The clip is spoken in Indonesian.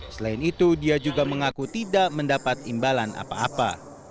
selain itu dia juga mengaku tidak mendapat imbalan apa apa